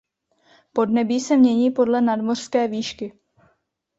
Podnebí se mění podle nadmořské výšky.